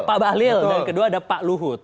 pak bahlil dan kedua ada pak luhut